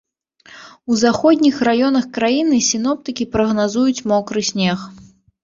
У заходніх раёнах краіны сіноптыкі прагназуюць мокры снег.